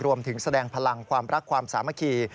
แสดงพลังความรักความสามัคคี